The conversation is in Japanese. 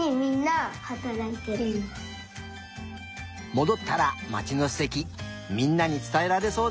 もどったらまちのすてきみんなにつたえられそうだね。